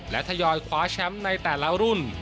และทยอยคว้าแชมป์ในแต่ละรุ่น